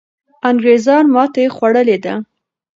انګریزان ماتې خوړلې ده.